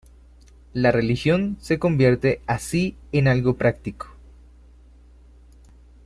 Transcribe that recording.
La religión se convierte así en algo práctico.